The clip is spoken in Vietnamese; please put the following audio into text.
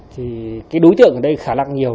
thì cái đối tượng ở đây khá là nhiều